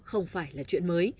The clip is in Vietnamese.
không phải là chuyện mới